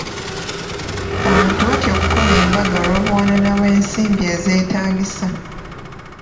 Abantu batya okukola embaga olw'obuwanana bw'ensimbi ezeeetaagisa.